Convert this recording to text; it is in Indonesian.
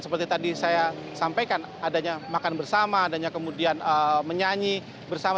seperti tadi saya sampaikan adanya makan bersama adanya kemudian menyanyi bersama